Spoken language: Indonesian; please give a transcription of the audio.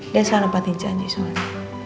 dia salah pati janji soalnya